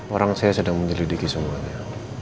orang saya sedang menyelidiki semuanya